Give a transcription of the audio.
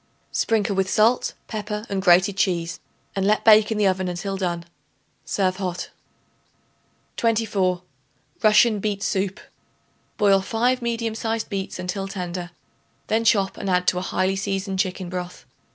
Sprinkle with salt, pepper and grated cheese and let bake in the oven until done. Serve hot. 24. Russian Beet Soup. Boil 5 medium sized beets until tender; then chop and add to a highly seasoned chicken broth.